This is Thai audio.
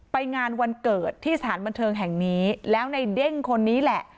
ไปงานวันเกิดที่สถานบันเทิงแห่งนี้แล้วในเด้งคนนี้แหละ